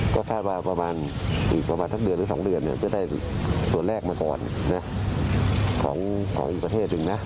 ก็คาดว่าประมาณอีกประมาณสักเดือนหรือ๒เดือนจะได้ส่วนแรกมาก่อนของอีกประเทศหนึ่งนะ